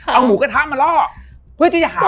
เอาหูกระทะมาล่อเพื่อจะหาเพื่อน